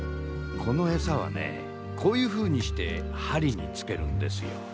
このエサはねこういうふうにして針につけるんですよ。